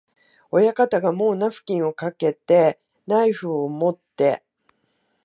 親方がもうナフキンをかけて、ナイフをもって、